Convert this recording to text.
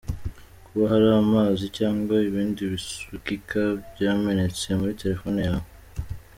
Kuba hari amazi cyangwa ibindi bisukika byamenetse muri telefone yawe.